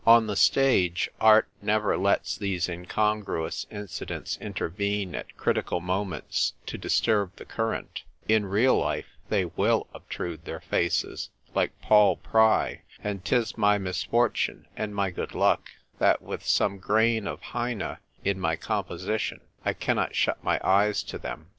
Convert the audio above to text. On the stage, art never lets these incongruous incidents intervene at critical moments to disturb the current : in real life, they zvill obtrude their faces, like Paul Pry ; and 'tis my misfortune and my good luck that, with some grain of Heine in my com position, I cannot shut my eyes to them.